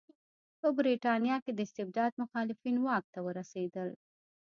په برېټانیا کې د استبداد مخالفین واک ته ورسېدل.